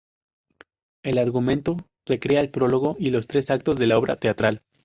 El argumento recrea el prólogo y los tres actos de la obra teatral.